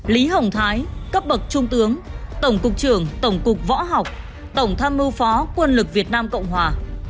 lý hồng thái cấp bậc trung tướng tổng cục trưởng tổng cục võ học tổng tham mưu phó quân lực việt nam cộng hòa